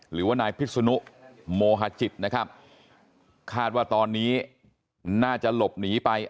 หรือว่านายพิษนุโมฮาจิตนะครับคาดว่าตอนนี้น่าจะหลบหนีไป